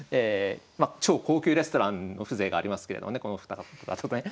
まあ超高級レストランの風情がありますけれどもねこのお二方だとね。